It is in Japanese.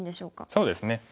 そうですね。